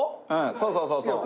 そうそうそうそう。